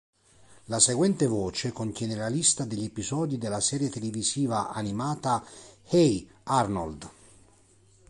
La seguente voce contiene la lista degli episodi della serie televisiva animata "Hey, Arnold!